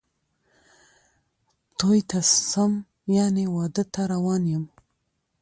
توی ته څم ،یعنی واده ته روان یم